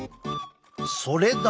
それだけ。